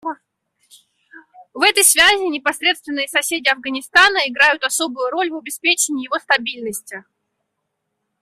В этой связи непосредственные соседи Афганистана играют особую роль в обеспечении его стабильности.